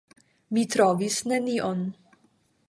Mi trovis nenion.